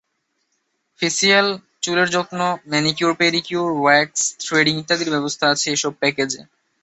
Facial, চুলের যত্ন, manicure, pedicure, wax, threading ইত্যাদির ব্যবস্থা আছে এসব প্যাকেজে।